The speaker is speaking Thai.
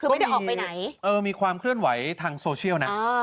คือไม่ได้ออกไปไหนเออมีความเคลื่อนไหวทางโซเชียลนะ